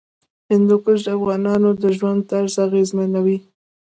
هندوکش د افغانانو د ژوند طرز اغېزمنوي.